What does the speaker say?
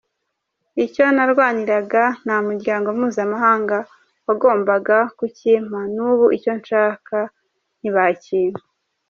Icyo narwaniraga nta muryango mpuzamahanga wagombaga kukimpa n’ubu icyo nshaka ntibakimpa.